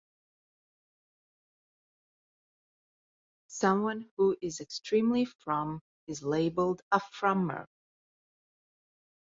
Someone who is extremely frum is labeled a "frummer".